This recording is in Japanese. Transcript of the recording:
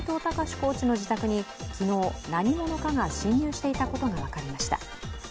コーチの自宅に昨日、何者かが侵入していたことが分かりました。